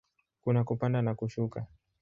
Kuna kupanda na kushuka.